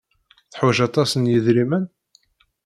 Teḥwaj aṭas n yidrimen?